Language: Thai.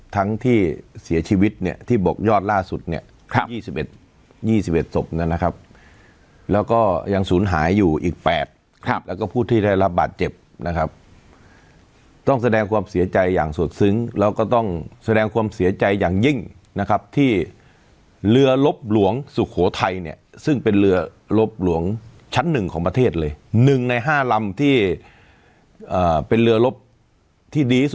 ทั้งที่เสียชีวิตเนี่ยที่บอกยอดล่าสุดเนี่ย๒๑๒๑ศพนะครับแล้วก็ยังศูนย์หายอยู่อีก๘แล้วก็ผู้ที่ได้รับบาดเจ็บนะครับต้องแสดงความเสียใจอย่างสุดซึ้งแล้วก็ต้องแสดงความเสียใจอย่างยิ่งนะครับที่เรือลบหลวงสุโขทัยเนี่ยซึ่งเป็นเรือลบหลวงชั้นหนึ่งของประเทศเลย๑ใน๕ลำที่เป็นเรือลบที่ดี